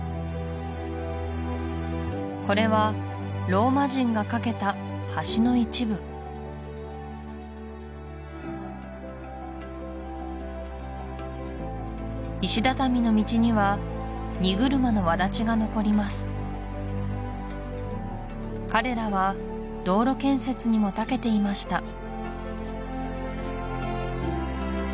これはローマ人が架けた橋の一部石畳の道には荷車のわだちが残ります彼らは道路建設にもたけていました